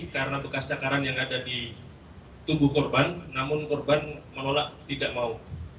karena bekas cakaran yang ada di tubuh korban namun korban menolak tidak mau